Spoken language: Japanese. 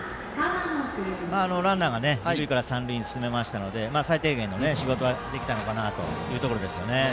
ランナーが二塁から三塁に進めましたので最低限の仕事はできたかなというところですね。